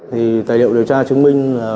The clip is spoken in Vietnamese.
thì tài liệu điều tra chứng minh là